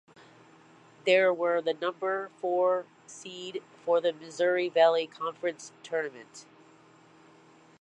They were the number four seed for the Missouri Valley Conference Tournament.